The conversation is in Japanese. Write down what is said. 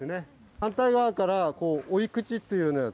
反対側から追い口っていう。